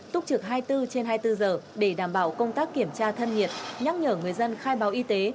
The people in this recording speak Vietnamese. túc trực hai mươi bốn trên hai mươi bốn giờ để đảm bảo công tác kiểm tra thân nhiệt nhắc nhở người dân khai báo y tế